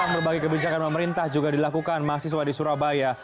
berbagai kebijakan pemerintah juga dilakukan mahasiswa di surabaya